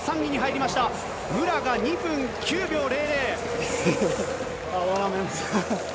武良が２分９秒００。